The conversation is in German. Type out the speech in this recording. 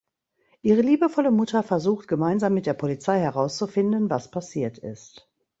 Ihre liebevolle Mutter versucht gemeinsam mit der Polizei herauszufinden, was passiert ist.